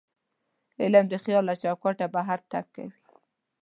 علم د خیال له چوکاټه بهر تګ کوي.